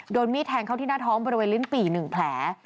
โดนมีดแทงเข้าที่หน้าท้องบริเวณลิ้นปี่๑แผล